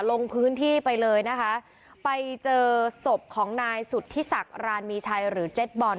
ลงพื้นที่ไปเลยนะคะไปเจอศพของนายสุธิศักดิ์รานมีชัยหรือเจ็ดบอล